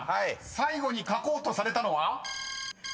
最後に書こうとされたのは？］